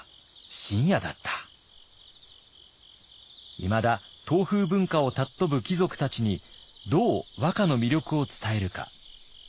いまだ唐風文化を尊ぶ貴族たちにどう和歌の魅力を伝えるか。